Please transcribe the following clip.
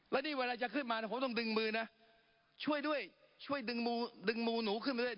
แล้วนี่เวลาจะขึ้นมาผมต้องดึงมือนะช่วยด้วยช่วยดึงมือดึงมือหนูขึ้นมาด้วย